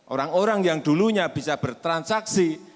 orang orang yang dulunya bisa bertransaksi